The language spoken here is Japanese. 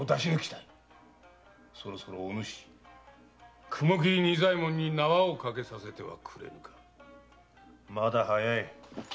そろそろおぬし・雲切仁左衛門に縄を掛けさせてはくれぬか？まだ早い。